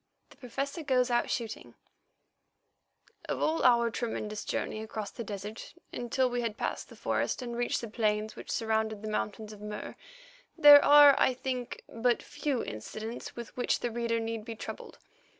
THE PROFESSOR GOES OUT SHOOTING Of all our tremendous journey across the desert until we had passed the forest and reached the plains which surrounded the mountains of Mur, there are, I think, but few incidents with which the reader need be troubled.